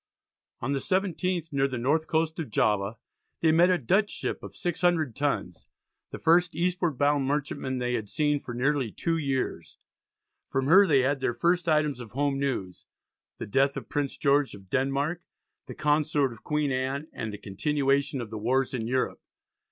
On the 17th, near the north coast of Java, they met a Dutch ship of 600 tons the first eastward bound merchantman they had seen for nearly two years. From her they had their first items of home news, the death of Prince George of Denmark, the Consort of Queen Anne, and the continuation of the wars in Europe.